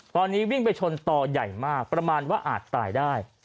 ตอนนี้วิ่งไปชนต่อใหญ่มากประมาณว่าอาจตายได้